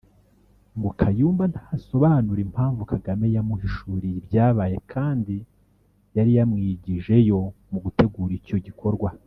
ngo Kayumba ntasobanura impamvu Kagame yamuhishuriye ibyabaye kandi yari yamwigijeyo mu gutegura icyo gikorwa